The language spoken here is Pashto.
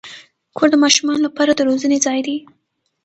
کور د ماشومانو لپاره د روزنې ځای دی.